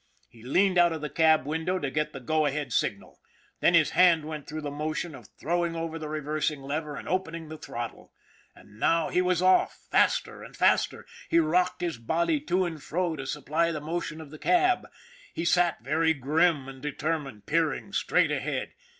He leaned out of the cab window to get the " go ahead " signal. Then his hand went through the motion of throwing over the reversing lever and opening the throttle. And now he was off; faster and faster. He rocked his body to and fro to supply the motion of the cab. He sat very grim and determined, peering straight ahead.